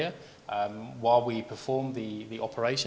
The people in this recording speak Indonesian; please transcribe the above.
sementara kita melakukan operasi